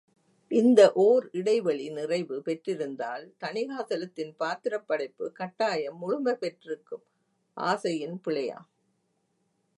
இந்த ஓர் இடைவெளி நிறைவு பெற்றிருந்தால், தணிகாசலத்தின் பாத்திரப் படைப்பு கட்டாயம் முழுமை பெற்றிருக்கும் ஆசையின் பிழையாம்...!